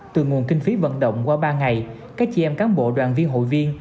từ nguồn kinh phí vận động qua ba ngày các chị em cán bộ đoàn viên hội viên